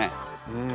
うん。